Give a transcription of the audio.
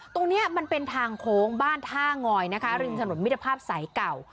ตรงนี้มันเป็นทางโค้งบ้านท่างอยนะคะริมถนนมิตรภาพสายเก่า